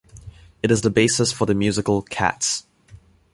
It is the basis for the musical "Cats".